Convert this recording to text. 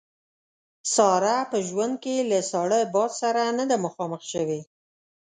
ساره په ژوند کې له ساړه باد سره نه ده مخامخ شوې.